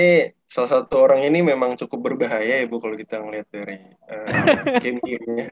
ini salah satu orang ini memang cukup berbahaya ya bu kalo kita ngeliat dari game game nya